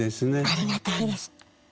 ありがたいです。